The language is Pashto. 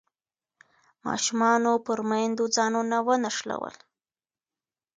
ماشومانو پر میندو ځانونه ونښلول.